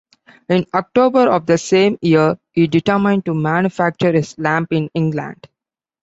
In October of the same year, he determined to manufacture his lamp, in England.